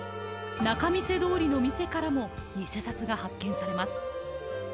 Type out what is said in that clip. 仲見世通りの店からも偽札が発見されます。